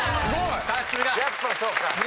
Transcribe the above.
やっぱそうか。